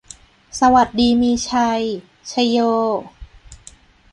สวัสดีมีชัย ชโย